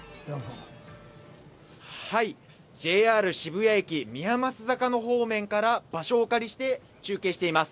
ＪＲ渋谷駅宮益坂の方面から場所をお借りして中継しています。